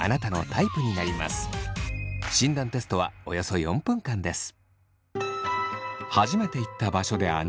診断テストはおよそ４分間です。